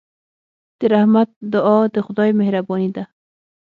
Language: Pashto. د رحمت دعا د خدای مهرباني ده.